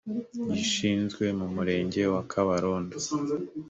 gishinzwe mu murenge wa kabarondo